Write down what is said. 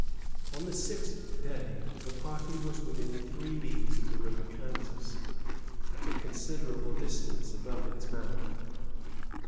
On the sixth day the party was within three leagues of the river Kansas, at a considerable distance above its mouth.